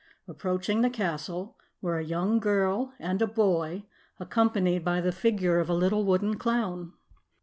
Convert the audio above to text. Approaching the castle were a young girl and a boy, accompanied by the figure of a little wooden clown.